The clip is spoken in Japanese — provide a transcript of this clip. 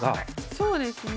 そうですね。